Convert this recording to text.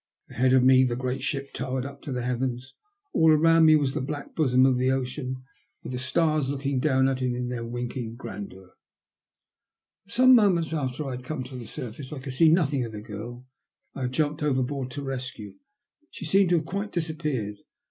Ahead of me the great ship towered up to the heavens ; all round me was the black bosom of the ocean, with the stars looking down at it in their winking grandeur. For some moments after I had come to the surface I could see nothing of the girl I had jumped over board to [rescue. She seemed to have quite disap peared.